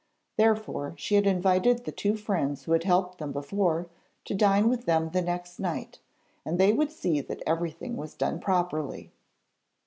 Therefore she had invited the two friends who had helped them before, to dine with them the next night, and they would see that everything was done properly.